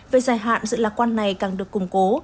về dài hạn sự lạc quan này càng được củng cố